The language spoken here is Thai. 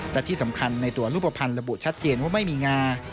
และที่สำคัญในตัวรูปภัณฑ์ระบุชัดเจนว่าไม่มีงา